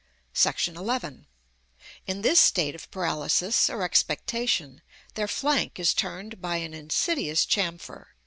§ XI. In this state of paralysis, or expectation, their flank is turned by an insidious chamfer.